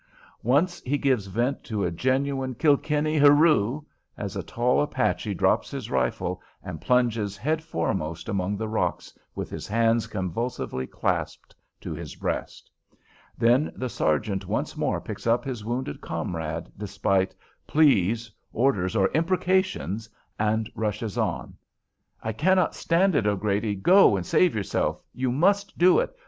Once he gives vent to a genuine Kilkenny "hurroo" as a tall Apache drops his rifle and plunges head foremost among the rocks with his hands convulsively clasped to his breast. Then the sergeant once more picks up his wounded comrade, despite pleas, orders, or imprecations, and rushes on. "I cannot stand it, O'Grady. Go and save yourself. You must do it.